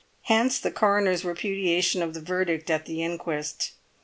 Hence the coroner's repudiation of the verdict at the inquest.